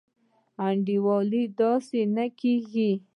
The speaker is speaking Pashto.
انډيوالي داسي نه کيږي.